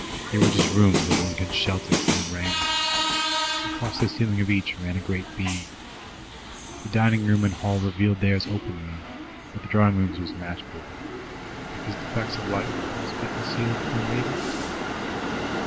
They were just rooms where one could shelter from the rain. Across the ceiling of each ran a great beam. The dining room and hall revealed theirs openly, but the drawing room's was match boarded because the facts of life must be concealed from ladies?